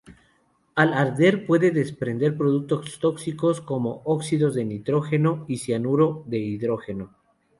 Al arder puede desprender productos tóxicos como óxidos de nitrógeno y cianuro de hidrógeno.